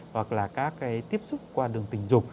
hoặc là các tiếp xúc qua đường tình dục